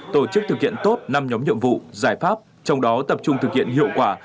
tổ chức thực hiện tốt năm nhóm nhiệm vụ giải pháp trong đó tập trung thực hiện hiệu quả